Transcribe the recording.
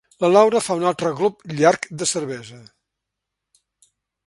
La Laura fa un altre glop llarg de cervesa.